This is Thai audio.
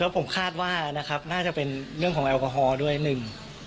ผมคาดว่านะครับน่าจะเป็นเรื่องของแอลกอฮอล์ด้วยหนึ่ง